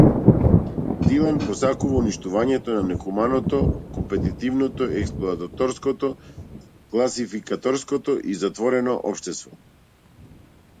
Дилан посакува уништување на нехуманото, компетитивно, експлоататорско, класификаторско и затворено општество.